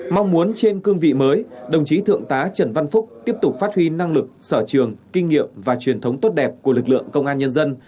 mong muốn trên cương vị mới đồng chí thượng tá trần văn phúc tiếp tục phát huy năng lực sở trường kinh nghiệm và truyền thống tốt đẹp của lực lượng công an nhân dân